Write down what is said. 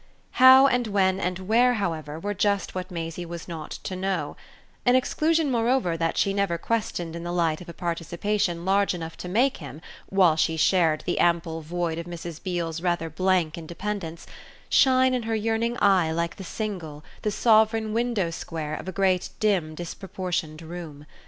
How and when and where, however, were just what Maisie was not to know an exclusion moreover that she never questioned in the light of a participation large enough to make him, while she shared the ample void of Mrs. Beale's rather blank independence, shine in her yearning eye like the single, the sovereign window square of a great dim disproportioned room.